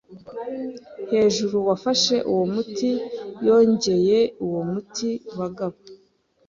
hejuru. Wafashe uwo muti? Yanyoye uwo muti, bagabo? ”